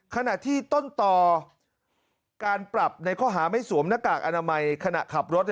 ขณะที่ต้นต่อการปรับในข้อหาไม่สวมหน้ากากอนามัยขณะขับรถ